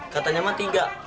katanya mah tiga